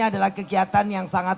kok rembutan bendera